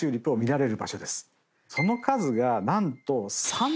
その数が何と。